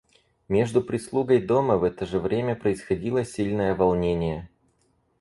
Между прислугой дома в это же время происходило сильное волнение.